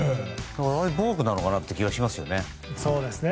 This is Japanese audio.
あれはボークなのかな？という気がしますね。